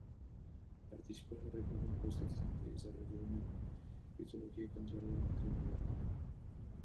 Participó en la Reforma Protestante y desarrolló una cristología contraria a la Trinidad.